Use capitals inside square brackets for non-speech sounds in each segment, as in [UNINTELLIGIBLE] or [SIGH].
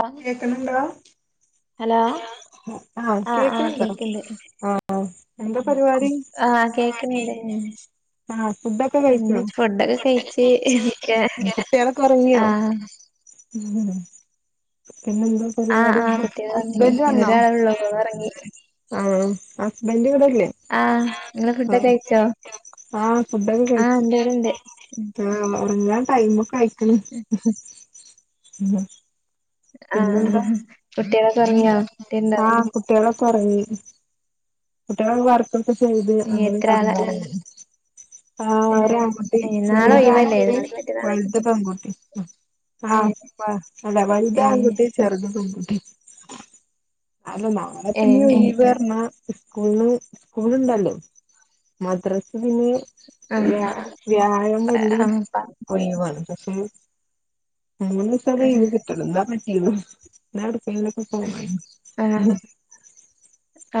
ആ കേക്ക്ണ് ഉണ്ടോ ഹലോ ആഹ് ആ ആ കേൾക്ക്ണ് ഉണ്ടോ കേക്ക്ണ്ട് ആഹ് എന്താ പരിപാടി ആ കേക്ക്ണ്ണ്ട് ആഹ് ഫുഡൊക്കെ കഴിച്ചോ എന്താ ഫുഡൊക്കെ കഴിച്ച് ഇരിക്ക കുട്യ ളൊക്ക ഉറങ്ങിയോ ആ ഉം പിന്നെ എന്താ ആ പരിപാടി ആ കുട്ടികള് ഒറങ്ങി ഹസ്ബൻഡ് വന്നോ ഒരാളൊള്ളൂ ഓള് ഒറങ്ങി ആഹ ഹസ്ബൻഡ് ഇവിടെയില്ല ആഹ ആ ആഹ ഫുഡ ആ കഴിച്ചു ഇണ്ട് ഇവിടെണ്ട് ഉം ആ തുടങ്ങാ ടൈമൊക്കെ കഴിക്കണം ഉം. ആ പിന്നെന്താ കുട്ടികളൊക്കെ ഒറങ്ങിയോ കുട്ടിണ്ടോ ആഹ കുട്ടികള പറ കുട്ടികള വർക്കൊക്കെ ചെയ്ത് അങ്ങനെ എത്ര ആളാ പറഞ്ഞ ആ ഏ ഒ ആൺകുട്ടി ഏ നാളെ ചെറിയ ഒഴിവല്ലേ ആൺകുട്ടി നാളീം മറ്റന്നാളൊക്കെ വലുത് പൺകുട്ടി ഏ ആഹ് വലുത് ഏ ആൺകുട്ടി ചെറുത് പെൺകുട്ടി അത് നാളെ ഏ പറഞ്ഞാ സ്കൂള സ്കൂൾണ്ടല്ലോ മദ്രാസ് പിന്നെ ആ വ്യാ വ്യായാം വെള്ളി ആ പ ഒയിവാണ് പക്ഷെ മൂന്ന് ദിവസ ആ ലീ വ് കിട്ടണം എന്താ പറ്റീല്ല എടുക്കൊക്കെ പോവേന് ആഹ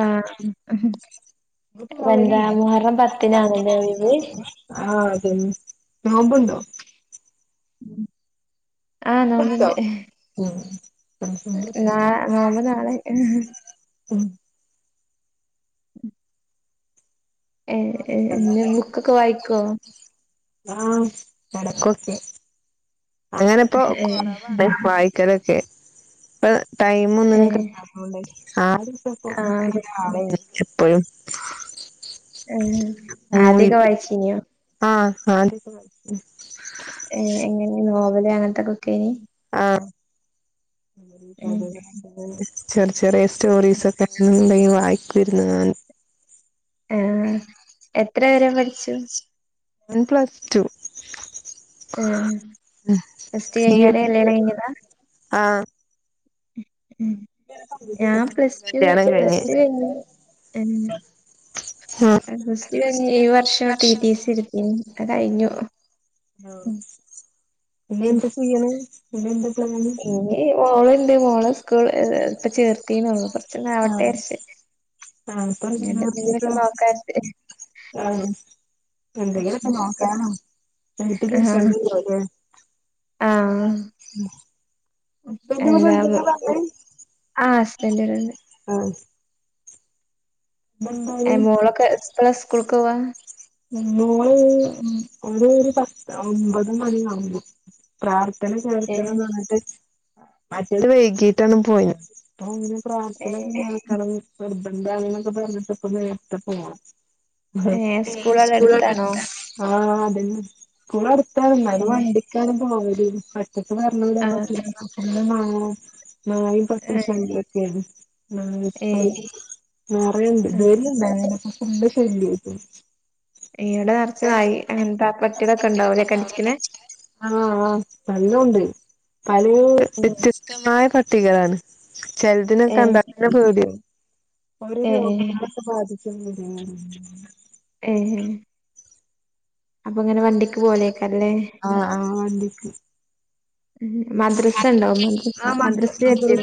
ആഹ ഒഴിവ് [UNINTELLIGIBLE] ആ നോമ്പ് ണ്ടോ ആഹ നി ഉം നോമ്പ നാളെ ഉം ഉം ഏ എന്ന ബുക്കൊക്കെ വായിക്കോ ആഹ നടക്കൊക്കെ അങ്ങനെപ്പോ ഏഹ് കുറവ വായിക്കലൊക്കെ ഇപ്പ ടൈമ ഏ ഒന്നുംകിട്ടതോണ്ട് ആ എപ്പോഴും ഉ ആധിക വായിച്ചീനിയോ ആ ഏ എങ്ങനെ നോവല് അങ്ങനത്തെൊക്കെ ഒക്കെ ഇന് ആ ഉം ചെറിയ ചെറിയ സ്റ്റോറീസ് ഒക്കെ ഉണ്ടെങ്കി വായിക്ക വരുന്നത ആ എത്ര പരെ പഠിച്ചു വൺ പ്ലസ് ടു പ്ലസ്ടു ഈ കഴിഞ്ഞാരെ കല്യാണം കഴിഞ്ഞതാ ആഹ് ഉ ഉ ഞാൻ പ്ലസ് ടു കല്യാണം പ്ലസ് കഴിഞ്ഞ് ടു ആഹ് കഴ സ്റ്റ ഏഴ് വർഷം ടിടി സി എടുത്തി അത് കഴിഞ്ഞു ആ ഉം പിന്നെ ഉം എന്ത ചെയണ പിന്നെ എന്ത ഇനി മോളുണ്ട് മോള സ്കൂൾ ഇപ്പ ചേർത്തന്നള്ള പ്രശനം അവിട്ടെ അരിച്ച ആപ്പട്ട വിചാരിച്ച് ആഹ എന്ത കേത്ത നക്കട്ട ആഹ് കണ്ടെ ആഹ് ആഹ എന്താ ആ ഹസ്ബൻഡടെണ്ട് ആഹ് ഇതെന്തായി മോളൊക്കെ സ്കൂൾക്ക് പോവാ നൂ ഒരു ഒരു പത്ത് ഒമ്പത് മണിയ ആവുമ്പോ പ്രാർഥ ചേർക്കണം ഏഹ് പറഞ്ഞിട്ട് മറ്റേ വൈകിട്ടാണ് പോയി ഏഹ് പ്രാർത്ഥനക്കണം നിർബന്ധമാണ എന്നൊക്കെ പറഞ്ഞിട്ട് ഇപ്പ നേരത്തെ പോണം ഏ സ്കൂള ആഹ അതന്ന ഇപ്പളർത്തന്ന അത് ഏഹ് വണ്ടിക്കാണ്ും പോല ഇപ്പം പറഞ്ഞു വിടാൻ ആഹ് നോക്കി ഇരിക്കുന്നു എന്തോന്നാവുവോ മായയും പ്രത്യ ഏഹ് ശാന്തിയും ഒക്കെയാണ് ആ ഇപ്പ ഏഹ് നിറയണ്ട് ആഹ് ഡെയിലി ഇണ്ട് ഇപ്പ ഫുഡ് ശല്യംമായിട്ടു [INAUDIBLE] ഈടെ നിറച്ചതായി അങ്ങനെത്തെ പട്ടികടൊക്കെ ഉണ്ടാവലൊക്കെ അടിച്ചിക്കുന്ന [UNINTELLIGIBLE] പല വ്യത്യസ്തമായ പട്ടികളാണ് ചിലതിനൊക്കെ ഏഹ് കണ്ടാത്തന്നെ പേടിയാകും ഒരു ഏഹ് രോഗത്തെ ബാധിക്കുന്ന ഏ ഹേ അപ്പൊ ഇങ്ങനെ വണ്ടിക്ക് പോലെയ ആഹ ആ വണ്ടിക്ക് മദ്രസ് ഉണ്ടാവും മദ്രസ് ആഹ് മദ്ര മദ്രസ് ചത്തി മദ്ര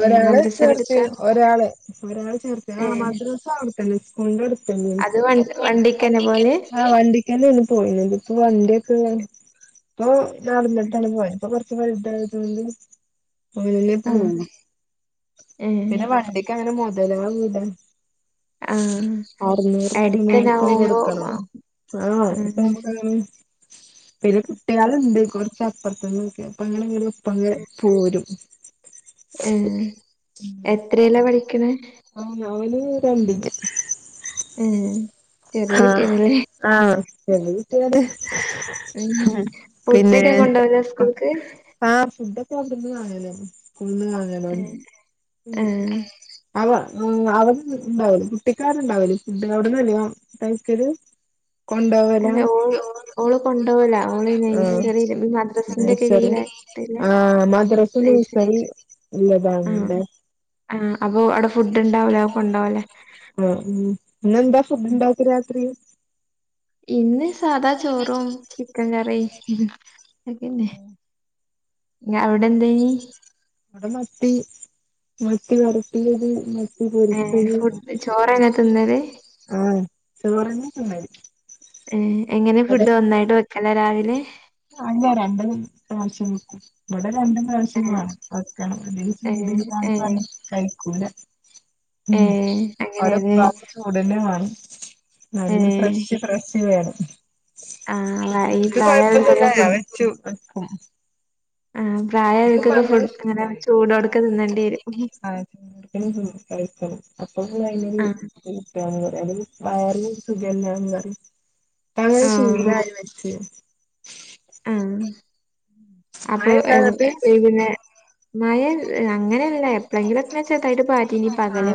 ഒരാള ചേർത്ത് അടുത്താ ഒരാള് ഒരാള് ചേർത്ത് ഏ ആ മദ്രസ അവിത്തന്നെ സ്കൂളിന്റെ അടു അത് വ വണ്ടിക്കന്നെ പോവല് ആഹ് വണ്ടിക്കാര് വന്നു പോയേയുള്ളു ഇപ്പം വണ്ടി ഇപ്പൊ ഞടന്നിട്ടാണ് പോയ ഇപ്പൊ കൊറച്ച പല ഇതായിരുന്നുണ്ട് ലല്ലേ ആ പോകൂ ഏ പിന്നെ വണ്ടിക്ക് അങ്ങനെ മുതലാവണ്ടെ ആ അറുന്നൂറപ്പ അടുത്തന്നെ മാസം ആവുമ്പോ കൊടുക്കണം ആ ആണോ ഇപ്പ [UNINTELLIGIBLE] പിന്നെ കുട്ടികളുണ്ട് കൊറച്ച അപ്പുറത്തങ്ങൊക്കെ അപ്പ അങ്ങനെങ്ങനെ ഒപ്പ അങ്ങെ പോരും ഉം എത്രല്ലാ പഠിക്കണ ആഹ് അവന് രണ്ടില് ഉം ആഹ ആഹ്ട്ട അതെ ഉം പിന്നെ ഫുഡൊക്കെ കൊണ്ടോവലാ സ്കൂൾക്ക് ആ ഫു ഫുഡൊന്നും ആയില്ല ഉഴുന്ന് ആയില്ല ഏ ആ ഉ അവ അ അവടെ ഉണ്ടാവല കുട്ടിക്കാരണ്ടാവല ഫുഡ് അവിടന്ന് തന്നെയാ കഴിക്കല് അല്ലെ ഓ ഓള് കൊണ്ടോല ഓള് നൈസറി മദ്രസിന്റെ ഒക്കെ കീഴില ആഹ മദ്രസ് നേഴ്സർ ആ ഉള്ളതല്ലെ ആ അപ്പൊ അവിടെ ഫുഡ് ഉണ്ടാവൂലേ അത് കൊണ്ടോവലാ ആഹ പിന്നെന്താ ഫുഡ്ണ്ടാക്ക് രാത്രി ഇന്ന് സാധാ ചോറും ചിക്കൻ കറി അതന്നെ ഇവിടെ ഞ അവിടെ എന്തീനി അവിടെ മത്തി മത്തി വറത്തിയത് മ ഏ പൊരിച്ചത് ഫുഡ് ചോറന്നെ തിന്നല് ആഹ ചോറങ്ങിട്ടണ്ട എങ്ങനെ ഫുഡ് ഒന്നായിട്ട് വെക്കലേ രാവിലെ അല്ല രണ്ടരും പ്രാവശ്യം വെ ക്കും ഇവിട രണ്ട് ഏ പ്രാവശ്യങ്ങളാണ് വെക്കണം അല്ലെങ്കിൽ ഏ വീട് ഏ പറ കഴിക്കൂല ഉ ഏ അവരെ അങ്ങനെയല്ലേ പ്രാർത്ഥിച്ച ഉടനെ വേണം ഏ നല്ല ഫ്രഷ് ഫ്രഷ് വേണം ആഹ ഈ എനിക്ക് പ്രായ കൊഴപ്പൊന്നുല്ല വെച്ചു എനിക്കിപ്പ പ്രായയായവർക്കൊക്കെ അങ്ങനെ ഫുഡ്ക്കാനാ ചൂടോടെക്കെ തിന്നേണ്ടി വരും ആഹ കഴിക്കും അപ്പ അതിനൊരു ആ കുട്ടാണ് വയറ് ആകെ സുഖല്ലന്ന്റി അങ്ങനെ ആ ശീലായി വെച്ച് ആഹ മഴ അപ്പൊ ഇണ്ടോ അങ്ങട്ട് പിന്നെ മഴ അങ്ങനെയല്ലേ ഭയങ്കരനേച്ച ആഹ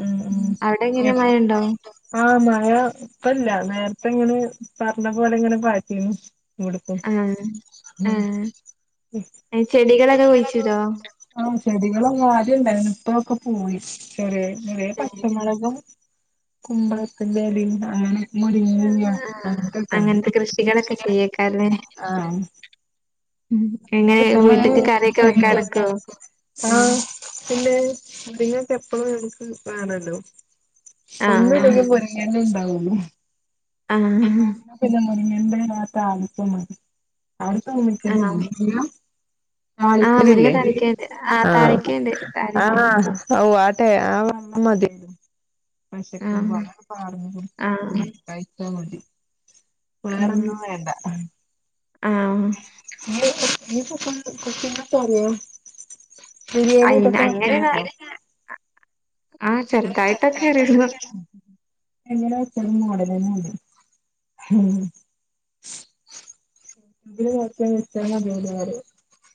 ഉം അവിടെ ഉ എങ്ങനെ മഴ ഉണ്ടോ ആ മഴ ഇപ്പല്ല നേരത്തെ ഇങ്ങനെ പറഞ്ഞ പോലെ എങ്ങനെ പറ്റന്ന് ഇവിടുക്ക ആഹ് ആഹ് ഏഹ് ചെടികളൊക്കെ കുഴിച്ചിടോ? ആ ചെടികള അങ്ങ ആര ഉണ്ടായിരുന്നു ഇപ്പൊക്കെ പോയി ചെറ ചെറ ഏഹ് പച്ചമുളകം കുമ്പള ല അങ്ങനെ മുരിങ്ങ ആഹ് അക്കൊക്കെണ്ട് അങ്ങനത്തെ കൃഷികളൊക്കെ ചെയ്യേക്കാരല്ലേ ആഹ ഉം എങ്ങനെ വീട്ട്ക്ക് കറിയൊക്കെ സയ വെക്കാൻ എടക്കോ? ഏഹ് ആഹ പിന്നെ അങ്ങൾക്ക എപ്പഴ നമുക്ക് വേണല്ലോ ഒന്ന ആഹ് മുറല്ല ഉണ്ടാവുന്നു ആഹ് ങ്ങ എന്തതിനകത്ത് ആളപ്പ മതി അവിടുത്ത ഒമിക്കത് ഇ ആഹ് ആഹ് മുരിങ്ങ താലിപ്പിലില്ലേ താളിക്കണ്ട് ആഹ് ആഹ താളിക്കണ്ട് ആ താളിക്ക ഔ ആട്ടെ ആമ്മതി പശെക്കും ആഹ് വളാറും ആഹ് കഴിച്ചാൽ മതി ആഹ് വേറെൊന്നും വേണ്ട ആഹ് പസ കു ചാരിയ ബരിയല അയിന് തപ്പക്ക ആഹ ചെറുദായിട്ടൊക്കെ അറിിയള്ളൂ എങ്ങ വച്ചരു മോഡലന്നാണ് വക്ക വത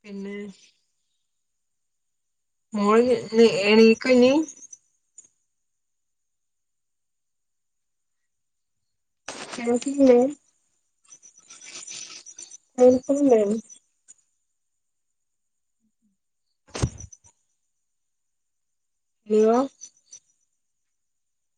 പിന്നെ മോള എണീക്ക ഇനീ എനക്കെ വക്ക മാം [INAUDIBLE]